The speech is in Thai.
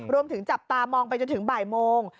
รวมถึงจับตามองไปจนถึงบ่ายโมง